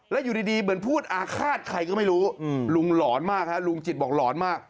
แล้วอยู่ดีเหมือนพูดอาฆาตใครก็ไม่รู้ลุงหลอนมากฮะลุงจิตบอกหลอนมาก